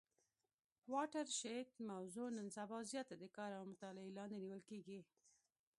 واټر شید موضوع نن سبا زیاته د کار او مطالعې لاندي نیول کیږي.